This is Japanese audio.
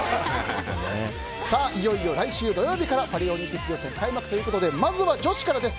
いよいよ来週土曜日からパリオリンピック予選開幕ということでまずは女子からです。